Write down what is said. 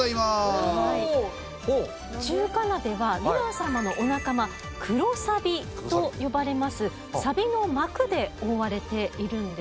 中華鍋はヴィラン様のお仲間「黒サビ」と呼ばれますサビの膜で覆われているんです。